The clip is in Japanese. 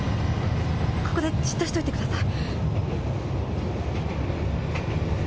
ここでじっとしといてください。